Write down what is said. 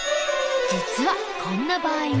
実はこんな場合も。